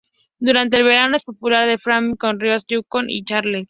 Durante el verano es popular el rafting en los ríos Yukon y Charley.